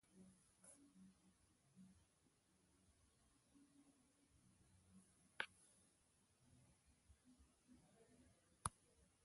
Mkpọ emi anekke aññwaña mien ndion ọwọọñọ afịt ufen se nnyịn ibọ emi ideebe ọbọọñ emi mfat o ibegheke enye.